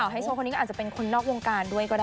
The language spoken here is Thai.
ไฮโซคนนี้ก็อาจจะเป็นคนนอกวงการด้วยก็ได้